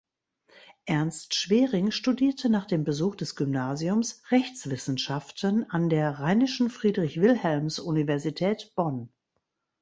Ernst Schwering studierte nach dem Besuch des Gymnasiums Rechtswissenschaften an der Rheinischen Friedrich-Wilhelms-Universität Bonn.